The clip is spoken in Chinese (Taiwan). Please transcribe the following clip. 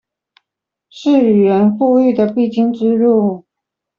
是語言復育的必經之路